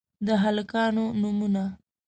د هلکانو نومونه: